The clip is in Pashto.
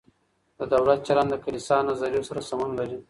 د دولت چلند د کلیسا نظریو سره سمون لري.